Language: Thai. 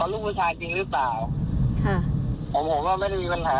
ลูกผู้ชายจริงหรือเปล่าค่ะผมผมก็ไม่ได้มีปัญหา